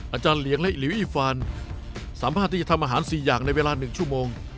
อาจารย์เหลียงและหลิวอีฟานสามารถที่จะทำอาหารสี่อย่างในเวลาหนึ่งชั่วโมง